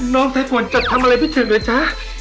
น้องแทควัลจะทำอะไรพิธีด้วยจ๊ะ